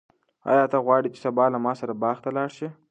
آیا ته غواړې چې سبا له ما سره باغ ته لاړ شې؟